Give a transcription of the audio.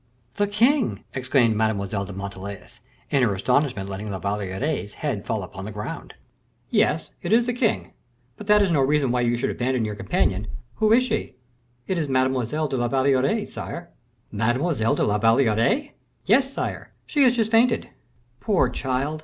"The king!" exclaimed Mademoiselle de Montalais, in her astonishment, letting La Valliere's head fall upon the ground. "Yes, it is the king; but that is no reason why you should abandon your companion. Who is she?" "It is Mademoiselle de la Valliere, sire." "Mademoiselle de la Valliere!" "Yes, sire, she has just fainted." "Poor child!"